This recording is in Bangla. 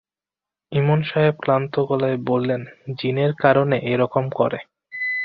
ইমাম সাহেব ক্লান্ত গলায় বললেন, জিনের কারণে এ-রকম করে।